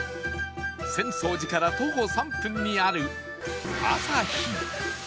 浅草寺から徒歩３分にあるあさひ